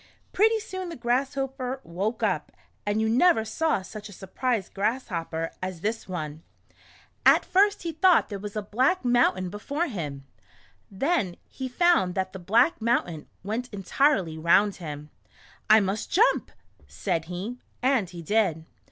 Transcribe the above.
Pretty soon the Grasshopper woke up, and you never saw such a surprised Grasshopper as this 122 A Grasshopper's Trip to the City. one. At first he thought there was a black moun tain before him. Then he found that the "black mountain " went entirely round him. "I must jump," said he, and he did.